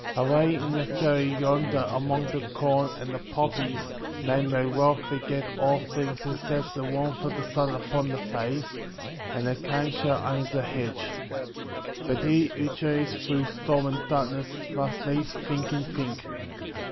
Away in the valley yonder among the corn and the poppies men may well forget all things except the warmth of the sun upon the face, and the kind shadow under the hedge ; but he who journeys through storm and darkness must needs think and think.